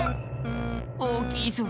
おおきいぞ。